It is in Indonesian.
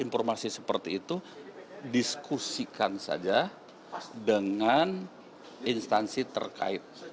informasi seperti itu diskusikan saja dengan instansi terkait